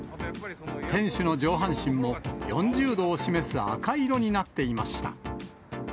店主の上半身も４０度を示す赤色になっていました。